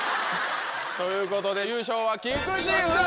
ということで優勝は菊池風磨君！